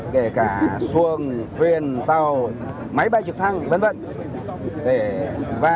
kể cả xuồng thuyền tàu máy bay trực thăng v v